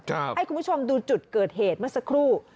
ให้คุณผู้ชมดูจุดเกิดเหตุเมื่อสักครู่